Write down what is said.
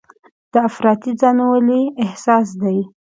دا افراطي ځانولۍ احساس دی.